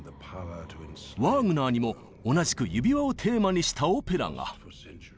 ワーグナーにも同じく「指輪」をテーマにしたオペラが。